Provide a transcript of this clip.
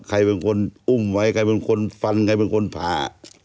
ใครเป็นคนอุ้มไว้ใครเป็นคนฟันใครเป็นคนผ่า